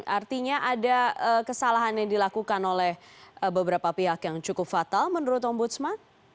artinya ada kesalahan yang dilakukan oleh beberapa pihak yang cukup fatal menurut ombudsman